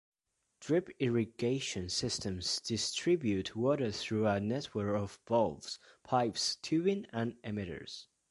Drip irrigation systems distribute water through a network of valves, pipes, tubing, and emitters.